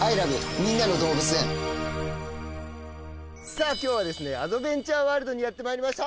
さぁ今日はアドベンチャーワールドにやってまいりました。